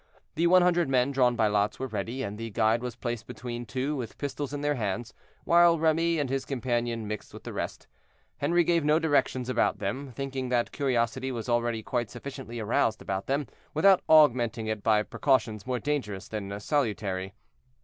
The one hundred men drawn by lots were ready, and the guide was placed between two, with pistols in their hands, while Remy and his companion mixed with the rest. Henri gave no directions about them, thinking that curiosity was already quite sufficiently aroused about them, without augmenting it by precautions more dangerous than salutary.